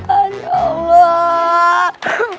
cuk ayo ajak